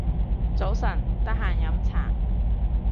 早晨，得閒飲茶